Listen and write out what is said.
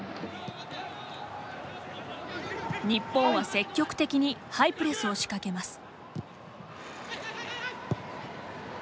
日本は積極的にハイプレスを仕掛けます。